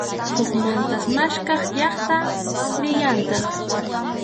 Hukmantas maskhaq llaqta rillantaq.